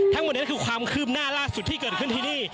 ทั้งหมดนี้คือความคืบหน้าล่าสุดที่เกิดขึ้นที่นี่